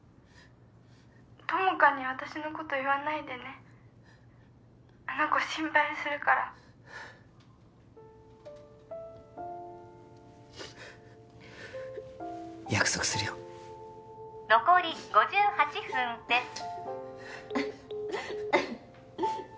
友果に私のこと言わないでねあの子心配するから約束するよ残り５８分です